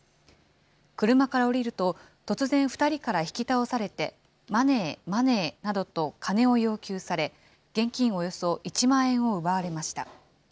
車から降りると、突然、２人から引き倒されて、マネー、マネーなどと金を要求され、現金およそ１万円を奪われました。